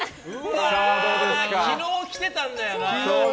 昨日来てたんだよな。